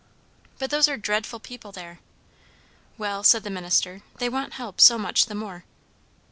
"But those are dreadful people there." "Well," said the minister, "they want help so much the more."